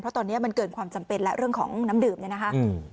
เพราะตอนนี้มันเกินความจำเป็นแล้วเรื่องของน้ำดื่มเนี่ยนะคะอืม